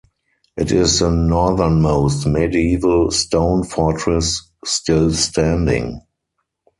It is the northernmost medieval stone fortress still standing.